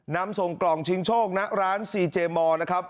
นำส่งกล่องชิงโชคณร้านซีเจมอร์นะครับ